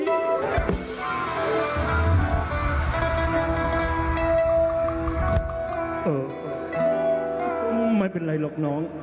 ไม่เป็นไรหรอกน้อง